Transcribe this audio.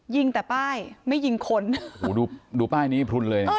ยิงแต่ป้ายไม่ยิงคนโอ้โหดูดูป้ายนี้พลุนเลยนะ